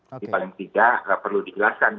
jadi paling tidak gak perlu dijelaskan